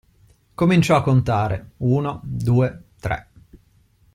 Cominciò a contare: uno, due, tre.